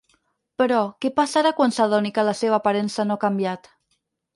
Però, què passarà quan s’adoni que la seva aparença no ha canviat?